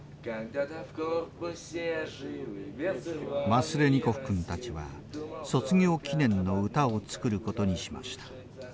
マスレニコフ君たちは卒業記念の歌を作ることにしました。